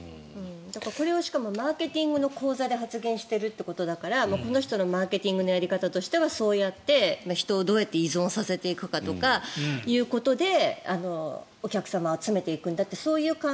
これをしかもマーケティングの講座で発言してるということだからこの人のマーケティングのやり方としては、そうやって人をどうやって依存させていくかということでお客様を集めていくんだということで